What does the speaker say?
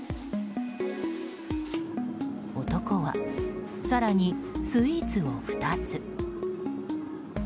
男は更にスイーツを２つ。